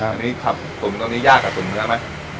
อันนี้ครับตุ๋นตอนนี้ยากกับตุ๋นเนื้อไหม